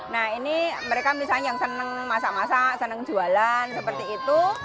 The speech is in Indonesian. nah ini mereka misalnya yang senang masak masak senang jualan seperti itu